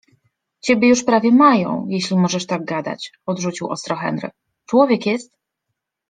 - Ciebie już prawie mają, jeśli możesz tak gadać - odrzucił ostro Henry. - Człowiek jest